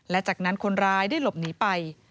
และจากนั้นคนร้ายได้หลบหนีไป